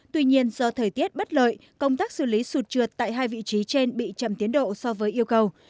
tuy nhiên do thời tiết bất lợi công tác xử lý sụt trượt tại hai vị trí trên bị chậm tiến độ so với yêu cầu